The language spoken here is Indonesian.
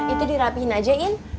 itu dirapihin aja in